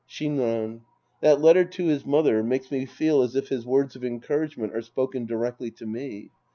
Shinran. That letter to his mother makes me feel as if his words of encouragement are spoken directly to me.